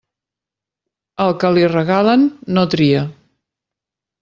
Al que li regalen, no tria.